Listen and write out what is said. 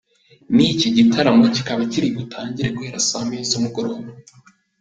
Iki gitaramo kikaba kiri butangire guhera saa moya z’umugoroba.